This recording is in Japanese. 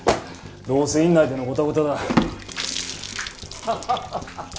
どうせ院内でのゴタゴタだ。ハハハ。